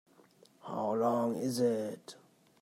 How long is it?